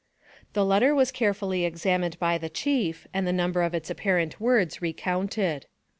The letter was carefully examined by the chief, and the number of its apparent words recounted.